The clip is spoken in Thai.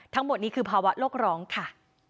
ทั้งหมดนี้คือภาวะโลกร้องค่ะ